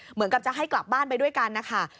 เหมือนกับจะให้กลับบ้านไปด้วยกันนะคะ